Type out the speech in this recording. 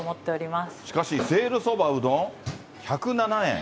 しかし、せいろそば・うどん、１０７円？